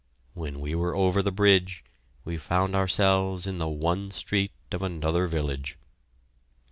When we were over the bridge, we found ourselves in the one street of another village.